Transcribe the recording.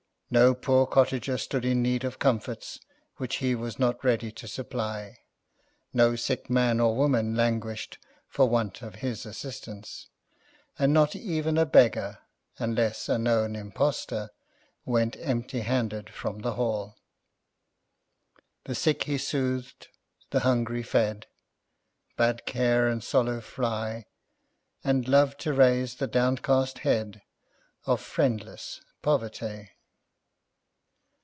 No poor cottager stood in need of comforts which he was not ready to supply, no sick man or woman languished for want of his assistance, and not[Pg 34] even a beggar, unless a known impostor, went empty handed from the Hall. The sick he sooth'd, the hungry fed, Bade care and sorrow fly, And loved to raise the downcast head Of friendless poverty.